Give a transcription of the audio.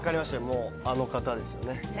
あの方ですよね。